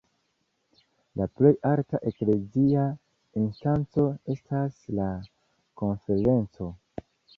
La plej alta eklezia instanco estas la Konferenco.